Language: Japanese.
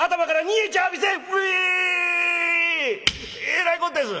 えらいこってす」。